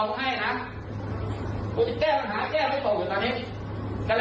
ไม่อยากเชื่อว่าไม่อยากรับรูปเป็นสินค้า